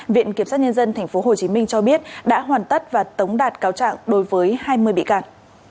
viện kiểm sát nhân dân tp hcm cho biết đã hoàn tất và tống đạt cáo trạng đối với hai mươi bị can